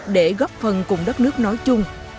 để góp phần cùng đất nước nói chung